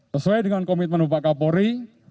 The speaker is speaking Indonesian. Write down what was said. sesuai dengan komitmen bapak kapolri